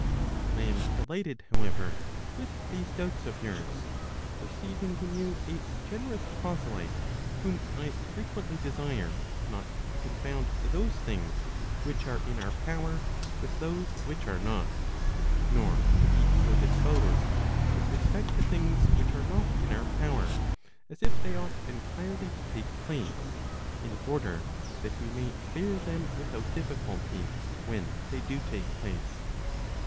I am delighted however with these doubts of yours, perceiving in you a generous proselyte whom I frequently desire not to confound those things which are in our power with those which are not, nor to be so disposed with respect to things which are not in our power, as if they ought entirely to take place, in order that we may bear them without difficulty, when they do take place.